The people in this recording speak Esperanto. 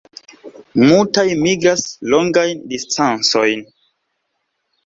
Multaj migras longajn distancojn.